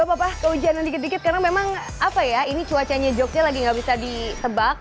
apa apa kehujanan dikit dikit karena memang apa ya ini cuacanya jogja lagi nggak bisa disebak